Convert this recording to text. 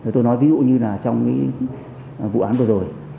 tôi nói ví dụ như trong vụ án vừa rồi